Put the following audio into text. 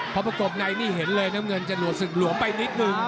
พอประกบนายนี่เห็นเลยน้ำเงินจะหลวนไปนิดหนึ่ง